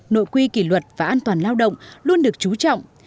nội quy kỷ luật và an toàn lao động luôn được trú trọng